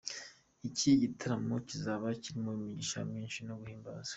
Iki gitaramo kizaba kirimo imigisha myinshi no guhimbaza.